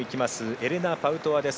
エレナ・パウトワです。